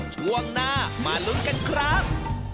ช่วงหน้ามาลุ้นกันครับ